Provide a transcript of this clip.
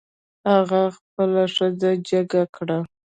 هغه خپله ښځه جګه کړه.